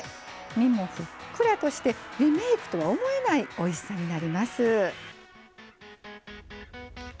身も、ふっくらとしてリメイクとは思えないおいしさになります。